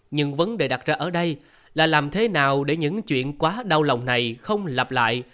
nhưng vấn đề đặt ra ở đây là làm thế nào để những chuyện quá đau lòng này không lặp lại